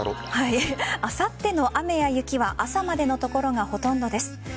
あさっての雨や雪は朝までの所がほとんどです。